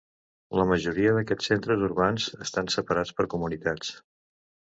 La majoria d'aquests centres urbans estan separats per comunitats.